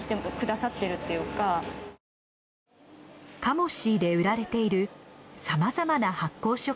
カモシーで売られているさまざまな発酵食品。